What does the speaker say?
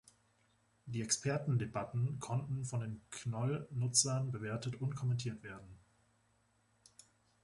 Die Experten-Debatten konnten von den Knol-Nutzern bewertet und kommentiert werden.